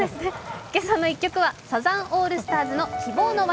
「けさの１曲」はサザンオールスターズの「希望の轍」